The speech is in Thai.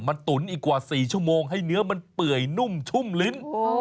มันตุ๋นอีกกว่า๔ชั่วโมงให้เนื้อมันเปื่อยนุ่มชุ่มลิ้น